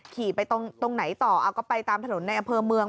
ขี่ไปตรงไหนต่อก็ไปตามถนนในอำเภอเมือง